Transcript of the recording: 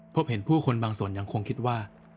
พบเห็นผู้คนบางส่วนยังคงคิดว่า